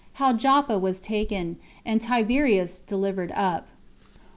How Joppa Was Taken, And Tiberias Delivered Up.